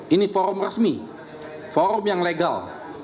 ini forum resmi forum yang legal